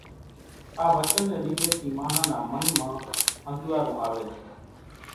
آ وچن ني لِيڌي ٿي ماڻۿان نا من مان انزوئارون آوي زائي